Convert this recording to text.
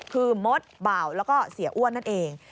คือมดบ่าวแล้วก็เสียอ้วนนั่นเอง